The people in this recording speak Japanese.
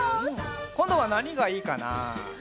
こんどはなにがいいかな？